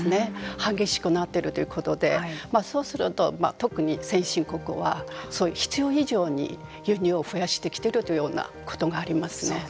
激しくなってるということでそうすると特に先進国はそういう必要以上に輸入を増やしてきているというようなことがあります。